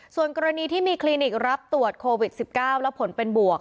ส่วนกรณีที่มีคลินิกรับตรวจโควิด๑๙และผลเป็นบวก